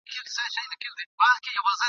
هم غښتلی ښکرور وو تر سیالانو !.